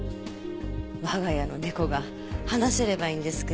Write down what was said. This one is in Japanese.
我が家の猫が話せればいいんですけど。